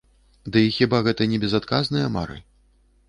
Дый хіба гэта не безадказныя мары?